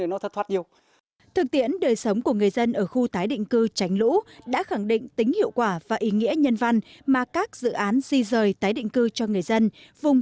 thực tiễn đời sống của người dân ở khu tái định cư tránh lũ đã khẳng định tính hiệu quả và ý nghĩa nhân văn mà các dự án di rời tái định cư cho người dân